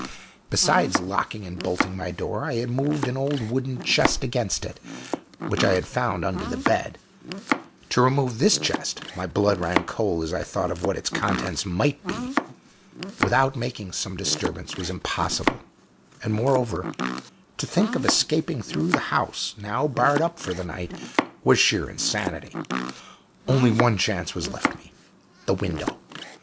Besides locking and bolting my door, I had moved an old wooden chest against it, which I had found under the bed. To remove this chest (my blood ran cold as I thought of what its contents might be!) without making some disturbance was impossible; and, moreover, to think of escaping through the house, now barred up for the night, was sheer insanity. Only one chance was left me the window.